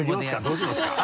どうしますか？